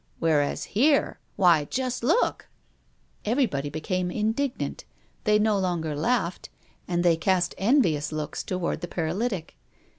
Whereas here, why just look!" Everybody became indignant. They no longer laughed, and they cast envious looks toward the paralytic.